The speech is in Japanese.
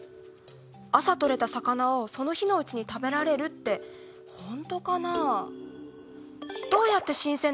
朝とれた魚をその日のうちに食べられるってほんとかな？